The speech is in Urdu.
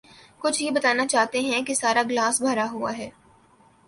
کچھ یہ بتانا چاہتے ہیں کہ سارا گلاس بھرا ہوا ہے۔